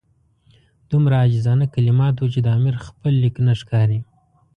دومره عاجزانه کلمات وو چې د امیر خپل لیک نه ښکاري.